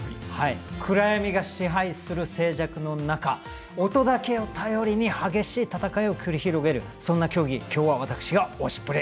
暗闇が支配する静寂の中音だけを頼りに激しい戦いを繰り広げる、そんな競技をきょうは私が「推しプレ！」